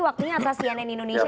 waktunya atas cnn indonesia